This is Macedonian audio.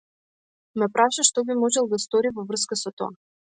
Ме праша што би можел да стори во врска со тоа.